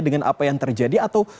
dengan apa yang terjadi atau